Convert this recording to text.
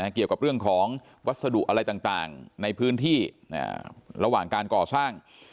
เกี่ยวกับเรื่องของวัสดุอะไรต่างในพื้นที่ระหว่างการก่อสร้าง